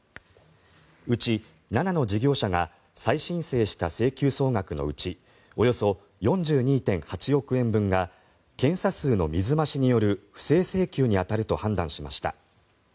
うち７の事業者が再申請した請求総額のうちおよそ４２．８億円分が検査数の水増しによる不正請求に当たると判断しました。